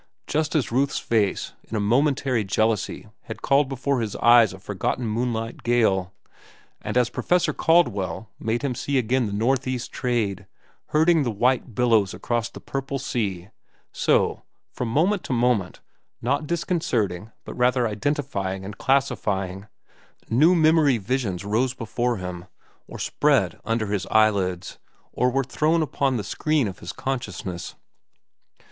Just as Ruth's face, in a momentary jealousy had called before his eyes a forgotten moonlight gale, and as Professor Caldwell made him see again the Northeast Trade herding the white billows across the purple sea, so, from moment to moment, not disconcerting but rather identifying and classifying, new memory visions rose before him, or spread under his eyelids, or were thrown upon the screen of his consciousness.